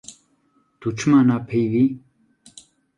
Tu çima napeyivî.